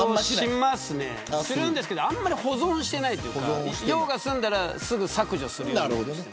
するんですけどあんまり保存してないというか用が済んだらすぐ削除するようにしてます。